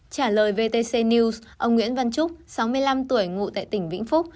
trả lời vtc news ông nguyễn văn trúc sáu mươi năm tuổi ngụ tại tỉnh vĩnh phúc